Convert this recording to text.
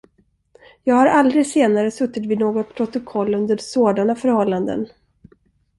Jag har aldrig senare suttit vid något protokoll under sådana förhållanden.